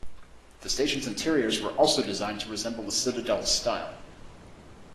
The station's interiors were also designed to resemble the citadel's style.